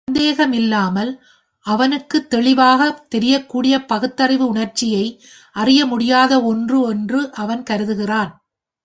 சந்தேகமில்லாமல் அவனுக்குத் தெளிவாகத் தெரியக்கூடிய பகுத்தறிவு உணர்ச்சியை அறிய முடியாத ஒன்று என்று அவன் கருதுகிறான்.